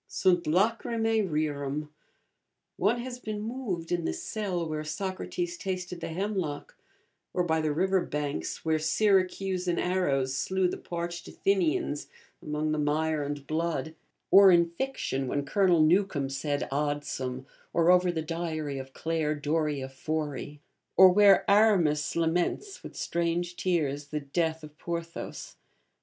Sunt lacrymae rerum; one has been moved in the cell where Socrates tasted the hemlock; or by the river banks where Syracusan arrows slew the parched Athenians among the mire and blood; or, in fiction, when Colonel Newcome said Adsum, or over the diary of Clare Doria Forey, or where Aramis laments, with strange tears, the death of Porthos.